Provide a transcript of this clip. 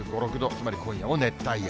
つまり今夜も熱帯夜。